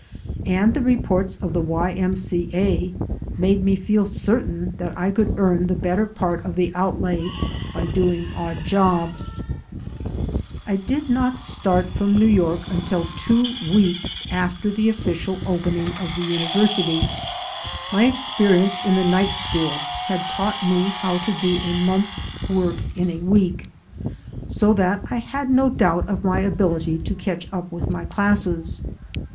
And the reports of the Y. M. C. A. made me feel certain that I could earn the better part of the outlay by doing odd jobs. I did not start from New York imtil two weeks after the o£SciaI opening of the university. My experience in the night school had taught me how to do a month's work in a week, so that I had no doubt of my ability to catch up with my classes.